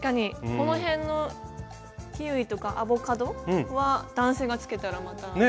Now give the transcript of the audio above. このへんのキウイとかアボカドは男性がつけたらまた。